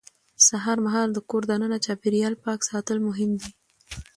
سهار مهال د کور دننه چاپېریال پاک ساتل مهم دي